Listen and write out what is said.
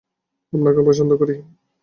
আপনাকেও আমি পছন্দ করি।